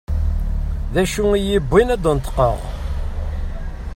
D acu i yi-yewwin ad d-neṭqeɣ?